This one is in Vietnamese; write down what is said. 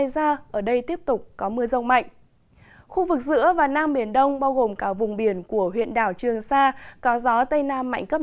giữa và nam biển đông bao gồm cả vùng biển của huyện đảo trường sa có gió tây nam mạnh cấp năm